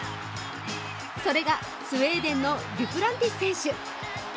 それがスウェーデンのデュプランティス選手。